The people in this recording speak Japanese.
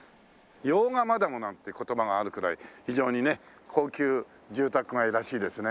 「用賀マダム」なんて言葉があるくらい非常にね高級住宅街らしいですね。